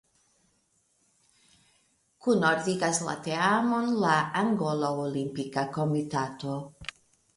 Kunordigas la teamon la Angola Olimpika Komitato.